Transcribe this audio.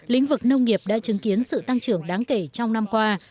lĩnh vực nông nghiệp đã chứng kiến sự tăng trưởng đáng kể trong năm qua